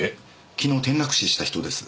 昨日転落死した人です。